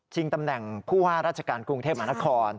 ตำแหน่งผู้ว่าราชการกรุงเทพมหานคร